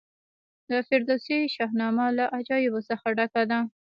د فردوسي شاهنامه له عجایبو څخه ډکه ده.